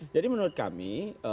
jadi menurut kami